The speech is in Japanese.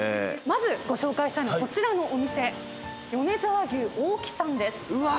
まずご紹介したいのはこちらのお店米沢牛黄木さんです。